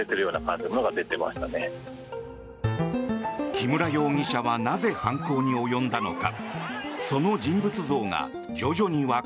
木村容疑者はなぜ犯行に及んだのか。